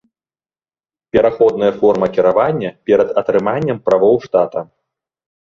Пераходная форма кіравання перад атрыманнем правоў штата.